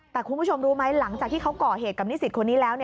แต่คุณผู้ชมรู้ไหมหลังจากที่เขาก่อเหตุกับนิสิตคนนี้แล้ว